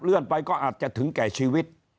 เลื่อนไปก็อาจจะถึงแก่ชีวิต